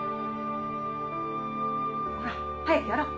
ほら早くやろう！